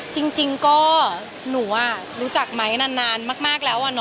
จริงก็หนูรู้จักไม้นานมากแล้ว